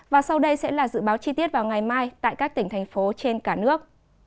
và sau đây sẽ là dự báo chi tiết vào ngày mai tại các tỉnh thành phố trên cả nước